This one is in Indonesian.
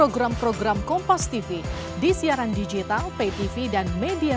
sampai jumpa di video selanjutnya